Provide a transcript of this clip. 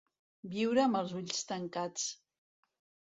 Viure amb els ulls tancats.